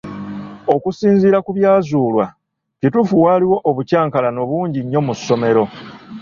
Okusinziira ku byazuulwa, kituufu waaliwo obukylankalano bungi nnyo mu ssomero.